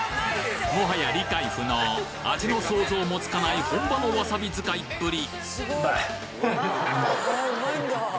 もはや理解不能味の想像もつかない本場のわさび使いっぷり！